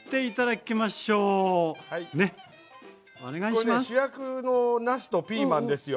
これね主役のなすとピーマンですよ。